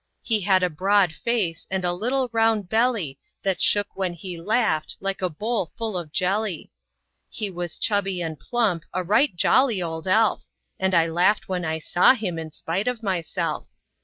He had a broad face, and a little round belly That shook when he laughed, like a bowl full of jelly. He was chubby and plump a right jolly old elf; And I laughed when I saw him in spite of myself.